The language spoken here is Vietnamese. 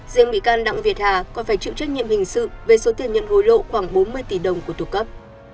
riêng bị can đặng việt hà còn phải chịu trách nhiệm hình sự về số tiền nhận hối lộ khoảng bốn mươi tỷ đồng của tục cấp